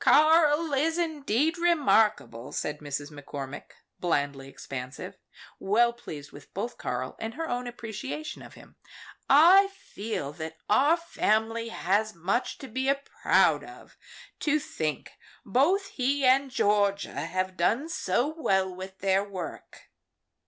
"Karl is indeed remarkable," said Mrs. McCormick, blandly expansive, well pleased with both Karl and her own appreciation of him. "I feel that our family has much to be proud of, to think both he and Georgia have done so well with their work."